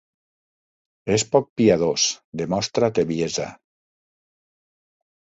És poc piadós, demostra tebiesa.